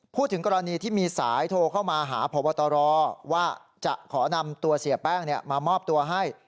พูดถึงกรณีที่มีสายโทรเข้ามาหาพบตรว่าจะขอนำตัวเสียแป้งมามอบตัวให้